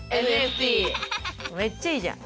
めっちゃいいじゃん！